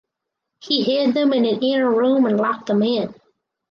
He hid them in an inner room and locked them in.